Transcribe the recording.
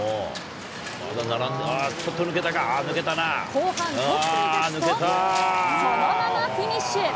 後半、トップに立つと、そのままフィニッシュ。